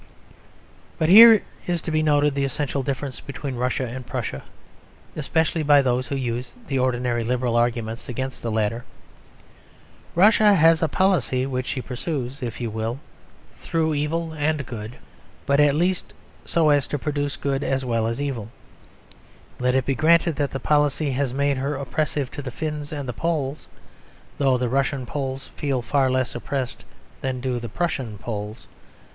But here is to be noted the essential difference between Russia and Prussia; especially by those who use the ordinary Liberal arguments against the latter. Russia has a policy which she pursues, if you will, through evil and good; but at least so as to produce good as well as evil. Let it be granted that the policy has made her oppressive to the Finns and the Poles though the Russian Poles feel far less oppressed than do the Prussian Poles.